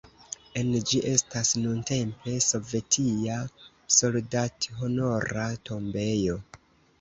En ĝi estas nuntempe sovetia soldathonora tombejo.